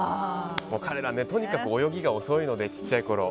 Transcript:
彼らはとにかく泳ぎが遅いので小さいころ。